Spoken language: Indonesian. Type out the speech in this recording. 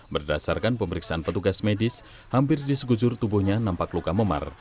berdasarkan pemeriksaan petugas medis hampir di sekujur tubuhnya nampak luka memar